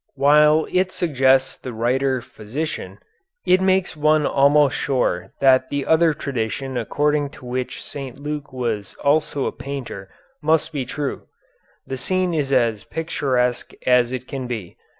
While it suggests the writer physician it makes one almost sure that the other tradition according to which St. Luke was also a painter must be true. The scene is as picturesque as it can be.